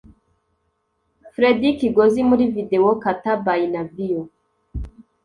Fred Kigozi muri Video Kata By Navio